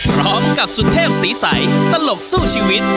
กับสุเทพศรีใสตลกสู้ชีวิต